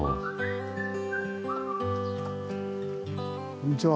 こんにちは。